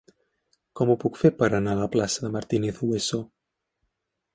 Com ho puc fer per anar a la plaça de Martínez Hueso?